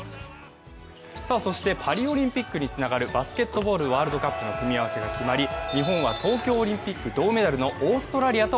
パリオリンピックにつながるバスケットボールワールドカップの組み合わせが決まり、日本は東京オリンピック銅メダルのオーストラリアと